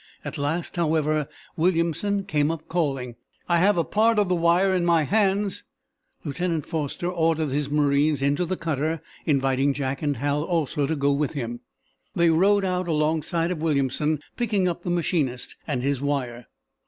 At last, however, Williamson came up, calling: "I have a part of the wire in my hands." Lieutenant Foster ordered his marines into the cutter, inviting Jack and Hal also to go with him. They rowed out alongside of Williamson, picking up the machinist and his wire.